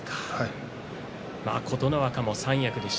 琴ノ若も三役です。